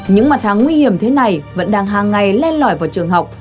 những mặt hàng nguy hiểm thế này vẫn đang hàng ngày len lỏi vào trường học